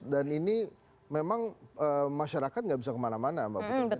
dan ini memang masyarakat nggak bisa kemana mana mbak putri